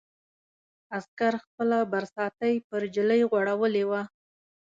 عسکر خپله برساتۍ پر نجلۍ غوړولې وه.